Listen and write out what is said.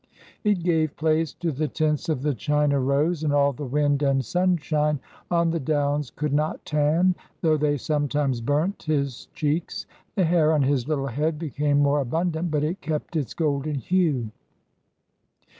It gave place to the tints of the China rose, and all the wind and sunshine on the downs could not tan, though they sometimes burnt, his cheeks. The hair on his little head became more abundant, but it kept its golden hue.